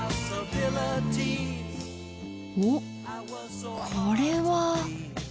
お⁉これは。